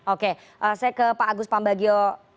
oke saya ke pak agus pambagio